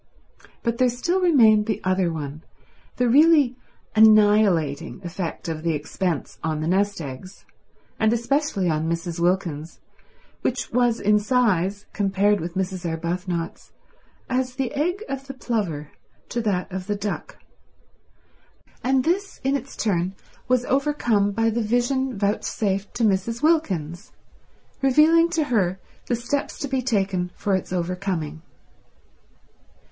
But there still remained the other one, the really annihilating effect of the expense on the nest eggs, and especially on Mrs. Wilkins's, which was in size, compared with Mrs. Arbuthnot's, as the egg of the plover to that of the duck; and this in its turn was overcome by the vision vouchsafed to Mrs. Wilkins, revealing to her the steps to be taken for its overcoming.